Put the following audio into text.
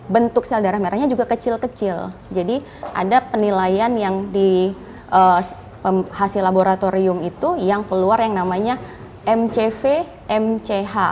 bentuk sel darah merahnya juga kecil kecil jadi ada penilaian yang di hasil laboratorium itu yang keluar yang namanya mcv mch